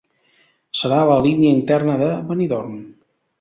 Serà la línia interna de Benidorm.